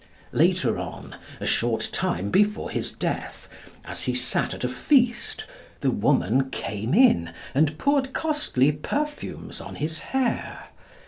Later on, a short time before his death, as he sat at a feast, the woman came in and poured costly perfumes on his hair.